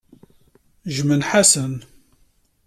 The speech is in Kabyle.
Jjmen Ḥasan.